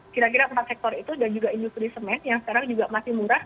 kira kira empat sektor itu dan juga industri semen yang sekarang juga masih murah